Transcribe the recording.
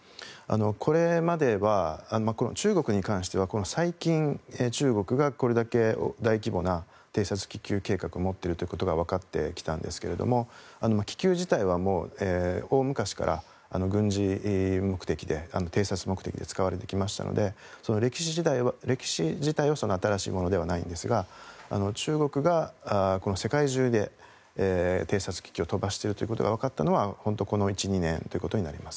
これまでは中国に関しては最近、中国がこれだけ大規模な偵察気球計画を持っていることがわかってきたんですが気球自体は大昔から軍事目的で偵察目的で使われてきましたので歴史自体は新しいものではないんですが中国が世界中で偵察気球を飛ばしているということがわかったのは本当にこの１２年ということになります。